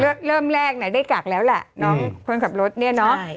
คือเริ่มแรกได้กักแล้วล่ะน้องคนขับรถเนี่ยเนอะ